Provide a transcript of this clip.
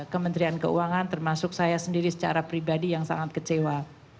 kementerian keuangan termasuk saya sendiri secara pribadi yang sangat kecewa